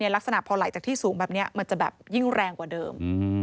ลักษณะพอไหลจากที่สูงแบบนี้มันจะแบบยิ่งแรงกว่าเดิม